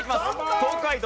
『東海道